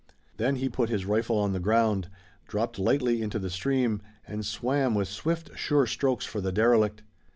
Then he put his rifle on the ground, dropped lightly into the stream, and swam with swift sure strokes for the derelict.